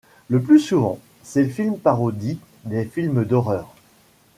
Le plus souvent, ses films parodient les films d'horreur.